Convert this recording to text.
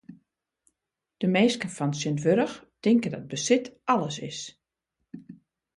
De minsken fan tsjintwurdich tinke dat besit alles is.